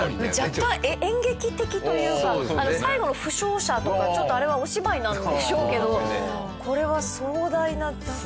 若干演劇的というか最後の負傷者とかあれはお芝居なんでしょうけどこれは壮大ななんか。